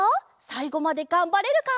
さいごまでがんばれるか？